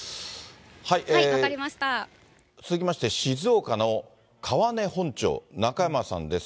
続きまして静岡の川根本町、中山さんです。